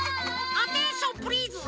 アテンションプリーズは？